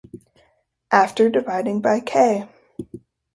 After dividing by k!